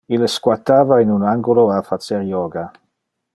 Ille squattava in un angulo a facer yoga.